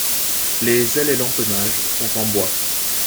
Les ailes et l'empennage sont en bois.